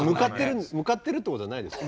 向かってるってことはないですか？